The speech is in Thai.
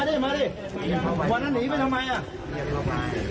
พัดดูหน่อยมามามามาถอนหน่อยมามาดิมาดิวันนั้นหนีไปทำไมอ่ะ